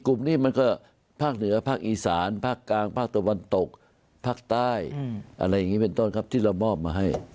กลุ่มนี้มันก็ภาคเหนือภาคอีสานภาคกลางภาคตะวันตกภาคใต้อะไรอย่างนี้เป็นต้นครับที่เรามอบมาให้